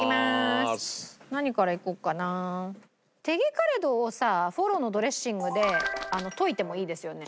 辛ど！をさフォロのドレッシングで溶いてもいいですよね。